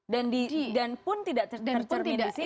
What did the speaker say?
dan pun tidak tercermin di sini